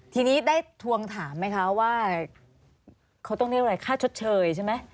ทีนี้ได้ทวงถามไหมคะว่าเขาต้องเรียกอะไรค่าชดเชยใช่ไหม